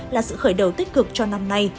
là sự khởi đầu tích cực cho năm nay